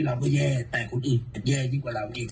เราก็แย่แต่คุณอีกแย่ยิ่งกว่าเราอีก